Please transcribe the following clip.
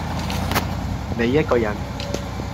你一個人，